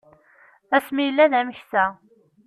Asmi yella d ameksa.